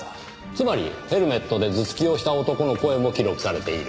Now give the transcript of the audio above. つまりヘルメットで頭突きをした男の声も記録されている。